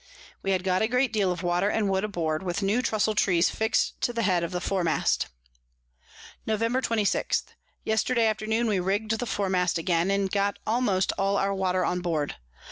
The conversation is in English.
We had got a great deal of Water and Wood aboard, with new Trusle Trees fix'd to the head of the Fore Mast. [Sidenote: At the Isle of Grande.] Nov. 26. Yesterday Afternoon we rigg'd the Fore Mast again, and got almost all our Water on board.